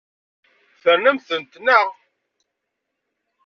Ternamt-tent, naɣ?